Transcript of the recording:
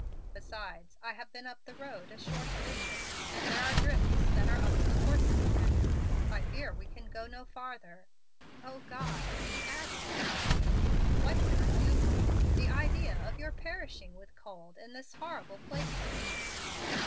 Besides, I have been up the road a short distance, and there are drifts that are up to the horses' necks. I fear we can go no farther. O God!" he added in agony, "what can I do for you? The idea of your perishing with cold in this horrible place to night!"